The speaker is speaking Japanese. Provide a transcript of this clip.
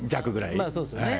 まぁそうですよね。